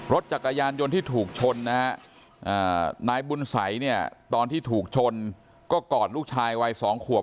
รถจักรยานยนต์ที่ถูกชนนะฮะนายบุญสัยเนี่ยตอนที่ถูกชนก็กอดลูกชายวัย๒ขวบ